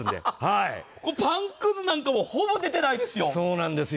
パンくずなんかもほぼ出てないですよ。